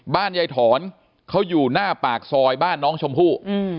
ยายถอนเขาอยู่หน้าปากซอยบ้านน้องชมพู่